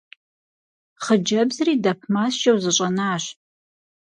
Хъыджэбзри дэп маскӏэу зэщӏэнащ.